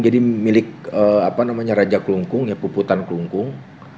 jadi milik apa namanya raja kelungkung ya puputan kelungkung